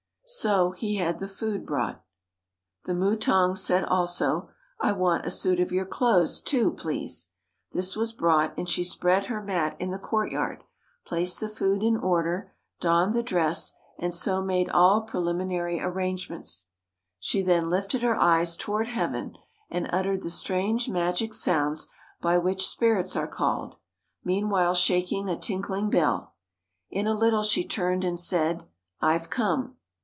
So he had the food brought. The mutang said also, "I want a suit of your clothes, too, please." This was brought, and she spread her mat in the courtyard, placed the food in order, donned the dress, and so made all preliminary arrangements. She then lifted her eyes toward heaven and uttered the strange magic sounds by which spirits are called, meanwhile shaking a tinkling bell. In a little she turned and said, "I've come."